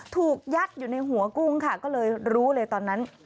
ถูกยัดอยู่ในหัวกุ้งค่ะก็เลยรู้เลยตอนนั้น